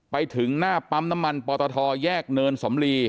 ไปถึงหน้าปั๊มน้ำมันปตทแยกเนินสำลี